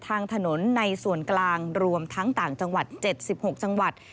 ทางถนนในส่วนกลางรวมทั้งต่างจังหวัด๗๖จังหวัด